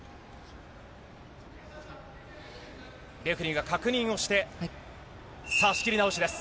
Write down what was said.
レフェリーが確認して仕切り直しです。